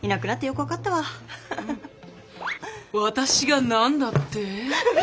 私が何だって？